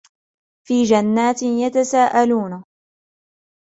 في جنات يتساءلون